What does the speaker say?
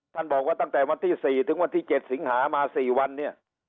ท่านบอกว่าตั้งแต่วันที่๔ถึงวันที่๗สิงหามา๔วันเนี่ย